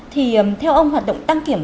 thì theo ông hoạt động đăng kiểm